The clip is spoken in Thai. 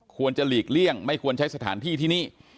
หลีกเลี่ยงไม่ควรใช้สถานที่ที่นี่